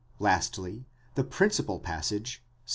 Lastly, the principal passage, Ps.